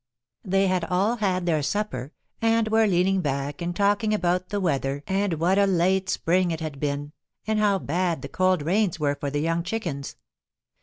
They had all had their supper, and were leaning back and talking about the weather and what a late spring it had been, and how bad the cold rains were for young chickens.